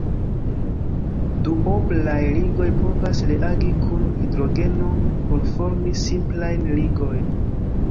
Duoblaj ligoj povas reagi kun hidrogeno por formi simplajn ligojn.